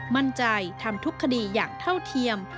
มั่นใจทำทุกคดีอย่างเท่าเทียม